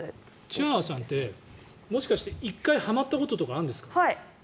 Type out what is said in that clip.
チワワさんってもしかして１回はまったことあるんですか？